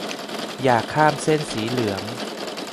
อย่าข้ามเส้นสีเหลือง